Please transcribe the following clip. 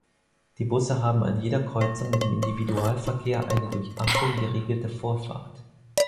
Die Busse haben an jeder Kreuzung mit dem Individualverkehr eine durch Ampeln geregelte Vorfahrt.